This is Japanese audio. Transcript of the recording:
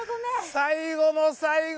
最後の最後。